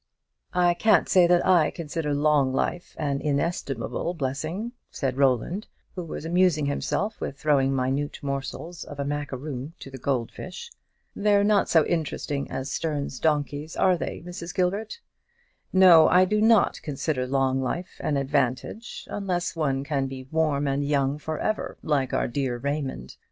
"I can't say that I consider long life an inestimable blessing," said Roland, who was amusing himself with throwing minute morsels of a macaroon to the gold fish. "They're not so interesting as Sterne's donkey, are they, Mrs. Gilbert? No, I do not consider long life an advantage, unless one can be 'warm and young' for ever, like our dear Raymond.